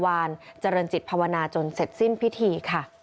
วานเจริญจิตภาวนาจนเสร็จสิ้นพิธีค่ะ